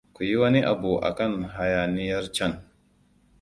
Ku yi wani abu akan hayaniyar can.